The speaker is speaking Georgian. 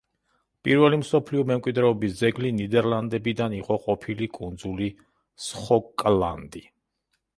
პირველი მსოფლიო მემკვიდრეობის ძეგლი ნიდერლანდებიდან იყო ყოფილი კუნძული სხოკლანდი.